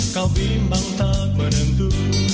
kau bimbang tak menentu